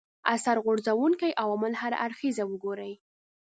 اثر غورځونکي عوامل هر اړخیزه وګوري